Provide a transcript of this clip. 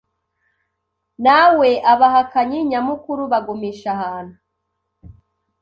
Na we Abahakanyi nyamukuru bagumisha ahantu